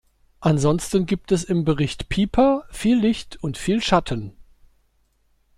Ansonsten gibt es im Bericht Pieper viel Licht und viel Schatten.